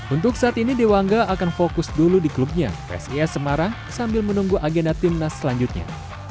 untuk saat ini dewangga akan fokus dulu di klubnya psis semarang sambil menunggu agenda timnas selanjutnya